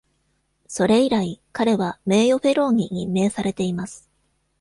それ以来、彼は名誉フェローに任命されています。